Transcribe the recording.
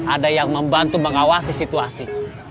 ada yang membantu mengawasi situasi